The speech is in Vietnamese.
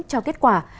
cho kết quả